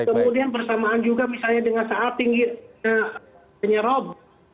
kemudian bersamaan juga misalnya dengan saat tingginya penyerob